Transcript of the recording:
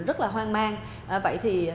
rất là hoang mang vậy thì